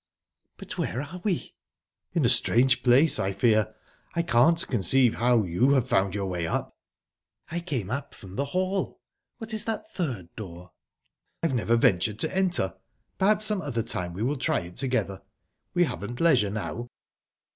"But where are we?" "In a strange place, I fear. I can't conceive how you have found your way up." "I came up from the hall...What is that third door?" "I've never ventured to enter. Perhaps some other time we will try it together. We haven't leisure now."